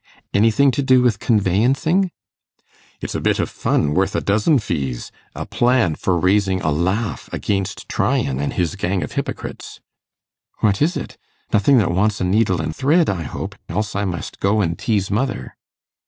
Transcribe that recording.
'Anything to do with conveyancing?' 'It's a bit of fun worth a dozen fees a plan for raising a laugh against Tryan and his gang of hypocrites.' 'What is it? Nothing that wants a needle and thread, I hope, else I must go and tease mother.